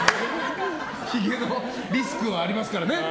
ひげのリスクはありますからね。